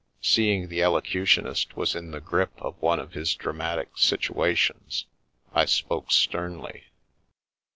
Seeing the Elocutionist was in the grip of one of his dramatic situations, I spoke sternly.